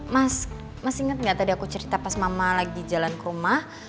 mas mas inget gak tadi aku cerita pas mama lagi jalan ke rumah